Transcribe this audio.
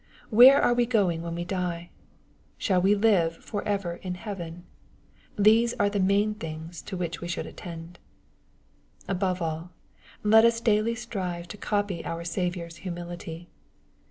Where are we going when we die ? Shall we live for ever in heaven ? These aze the main things to which we should attend. Above all, let us daily strive to copy our Saviour's humility.